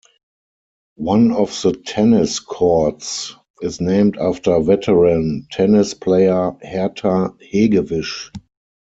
One of the tennis courts is named after veteran tennis player Herta Hegewisch.